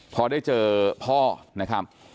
พอได้เจอพ่อนะครับ